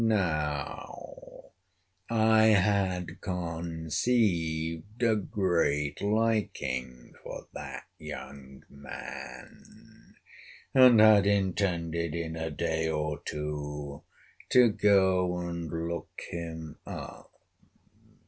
Now, I had conceived a great liking for that young man, and had intended, in a day or two, to go and look him up.